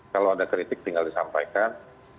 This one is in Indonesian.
kalau ada kritik tinggal disampaikan